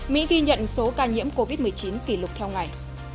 mỹ ghi nhận số ca nhiễm covid một mươi chín kỷ lục theo ngày